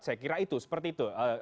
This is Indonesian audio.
saya kira itu seperti itu